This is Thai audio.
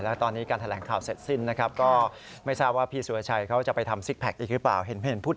แล้วตอนนี้การแถลงข่าวเสร็จสิ้นนะครับ